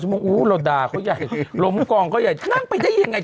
โมงอู้เราด่าเขาใหญ่ล้มกองเขาใหญ่นั่งไปได้ยังไง